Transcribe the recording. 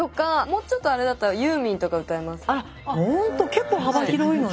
結構幅広いのね。